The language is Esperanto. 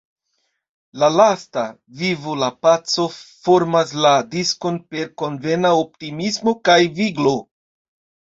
La lasta, Vivu la paco fermas la diskon per konvena optimismo kaj viglo.